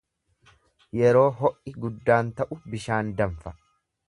Yeroo ho’i guddaan ta’u bishaan danfa.